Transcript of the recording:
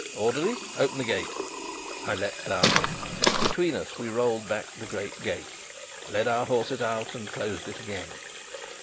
Orderly, open the gate!" I leapt down. Between us we rolled back the great gate, led our horses out, and closed it again.